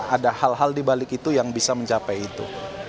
ada hal hal dibalik itu yang bisa mencapai itu